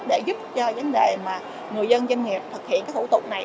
để giúp cho vấn đề mà người dân doanh nghiệp thực hiện các thủ tục này